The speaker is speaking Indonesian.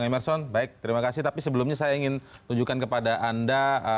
emerson baik terima kasih tapi sebelum ini saya mau nunjukkan kepada anda bahwa ada salah satu facedoms